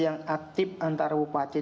yang aktif antara bupati